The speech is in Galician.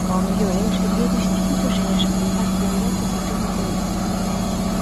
Ao mellor eu sería distinto sen ese contacto directo que tiven con el.